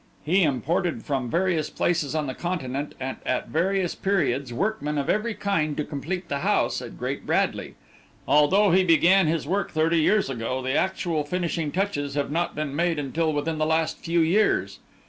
He imported from various places on the Continent, and at various periods, workmen of every kind to complete the house at Great Bradley. Although he began his work thirty years ago, the actual finishing touches have not been made until within the last few years.